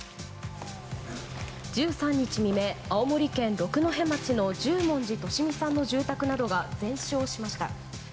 １３日未明、青森県六戸町の十文字利美さんの住宅などが全焼しました。